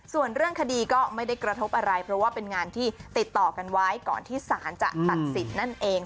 ส่วนเรื่องคดีก็ไม่ได้กระทบอะไรเพราะว่าเป็นงานที่ติดต่อกันไว้ก่อนที่ศาลจะตัดสิทธิ์นั่นเอง